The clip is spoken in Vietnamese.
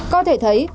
có thể thấy